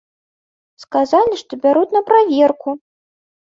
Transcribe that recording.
Сказалі, што бяруць на праверку.